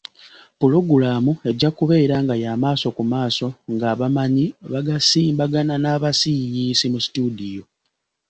Pulogulaamu ejja kubeeranga ya maaso ku maaso ng’abamanyi bagasimbagana n’abasiiyiisi mu "studio".